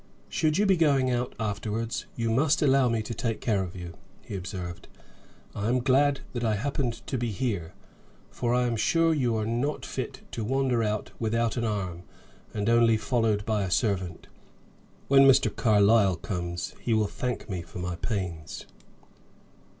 "Should you be going out afterwards, you must allow me to take care of you," he observed. "I am glad that I happened to be here, for I am sure you are not fit to wander out without an arm, and only followed by a servant. When Mr. Carlyle comes, he will thank me for my pains."